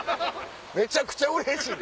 めちゃくちゃうれしい！